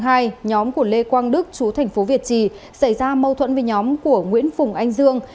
nhóm của lê quang đức chú thành phố việt trì xảy ra mâu thuẫn với nhóm của nguyễn phùng anh dương